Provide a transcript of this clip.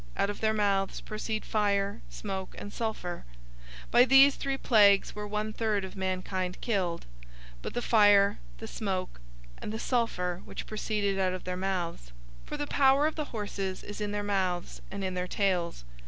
Out of their mouths proceed fire, smoke, and sulfur. 009:018 By these three plagues were one third of mankind killed: by the fire, the smoke, and the sulfur, which proceeded out of their mouths. 009:019 For the power of the horses is in their mouths, and in their tails.